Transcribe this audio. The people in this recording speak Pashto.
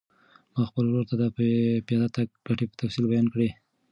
ما خپل ورور ته د پیاده تګ ګټې په تفصیل بیان کړې.